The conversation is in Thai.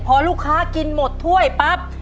พอลูกค้ากินหมดถ้วยปั๊บ